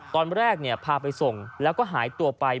ตอนแรกพาไปส่งแล้วก็หายตัวไป